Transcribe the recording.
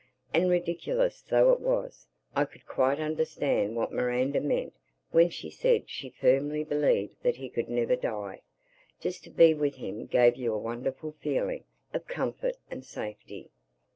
And ridiculous though it was, I could quite understand what Miranda meant when she said she firmly believed that he could never die. Just to be with him gave you a wonderful feeling of comfort and safety.